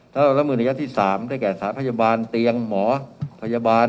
และละมือในยัดที่๓ได้แก่สาธารณะพยาบาลเตียงหมอพยาบาล